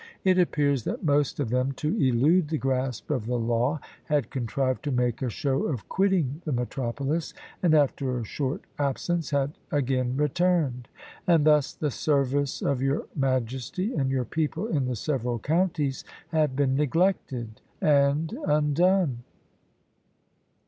It appears that most of them, to elude the grasp of the law, had contrived to make a show of quitting the metropolis, and, after a short absence, had again returned; "and thus the service of your majesty and your people in the several counties have been neglected and undone."